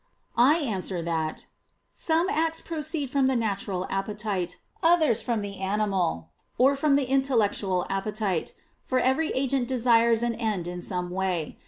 I answer that, Some acts proceed from the natural appetite, others from the animal, or from the intellectual appetite: for every agent desires an end in some way.